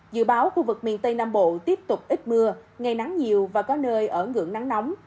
dự báo khu vực miền tây nam bộ tiếp tục ít mưa ngày nắng nhiều và có nơi ở ngưỡng nắng nóng